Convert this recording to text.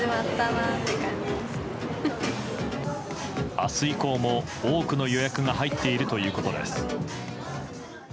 明日以降も多くの予約が入っているということです。